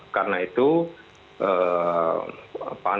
karena itu menjadi kewajiban kita bersama